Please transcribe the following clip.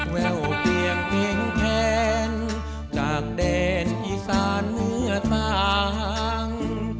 แววเพียงเพียงแขนจากแดนอีสานเนื้อต่าง